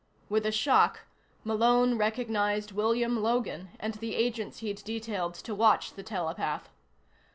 With a shock, Malone recognized William Logan and the agents he'd detailed to watch the telepath.